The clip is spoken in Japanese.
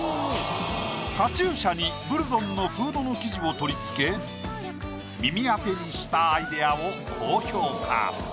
カチューシャにブルゾンのフードの生地を取り付け耳当てにしたアイデアを高評価。